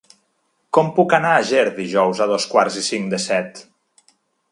Com puc anar a Ger dijous a dos quarts i cinc de set?